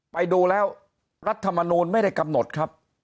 ไปดูแล้วรัฐมนูลไม่ได้กำหนดครับ